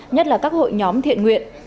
nhất là các hội nhóm thiện nguyện